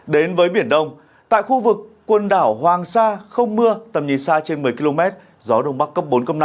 đến với biển đông tại khu vực quần đảo hoàng sa không mưa tầm nhìn xa trên một mươi km gió đông bắc cấp bốn năm